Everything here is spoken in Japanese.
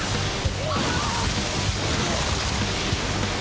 うわ！